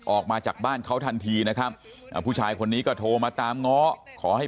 ออกมาจากบ้านเขาทันทีนะครับผู้ชายคนนี้ก็โทรมาตามง้อขอให้